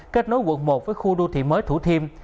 kết nối quận một với khu đô thị mới thủ thiêm